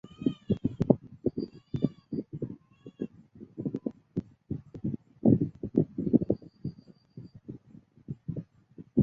নামের সাথে মিল থাকলেও নোবেল পুরস্কারের মত এটি আলফ্রেড নোবেল প্রবর্তন করেন নি।